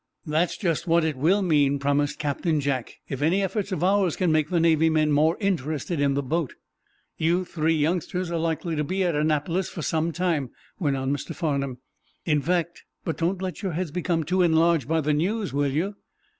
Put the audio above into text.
"That's just what it will mean," promised Captain Jack, "if any efforts of ours can make the Navy men more interested in the boat." "You three youngsters are likely to be at Annapolis for some time," went on Mr. Farnum. "In fact—but don't let your heads become too enlarged by the news, will you?"